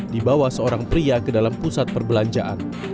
dibawa seorang pria ke dalam pusat perbelanjaan